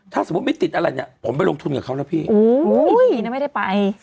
ถ้าสมมุติไม่ติดอะไรเนี่ยผมไปลงทุนกับเขาแล้วพี่ไม่ได้ไป